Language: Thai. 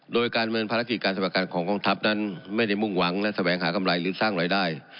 โดยการเมืองภารกิจการสมัครการของกองทัพนั้นไม่ได้มุ่งหวังและแสวงหากำไรหรือสร้างรายได้